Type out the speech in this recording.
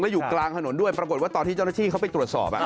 อยู่กลางถนนด้วยปรากฏว่าตอนที่เจ้าหน้าที่เขาไปตรวจสอบ